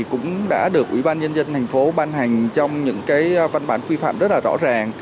cũng đã được ủy ban nhân dân thành phố ban hành trong những cái văn bản quy phạm rất là rõ ràng